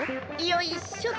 よいしょ。